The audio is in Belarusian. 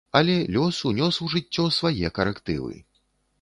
Але лёс унёс у жыццё свае карэктывы.